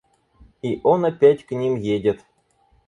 И он опять к ним едет.